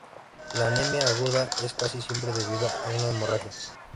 La anemia aguda es casi siempre debida a una hemorragia.